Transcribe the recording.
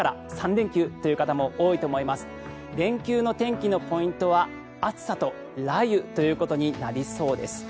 連休の天気のポイントは暑さと雷雨ということになりそうです。